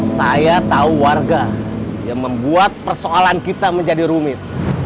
saya tahu warga yang membuat persoalan kita menjadi rumit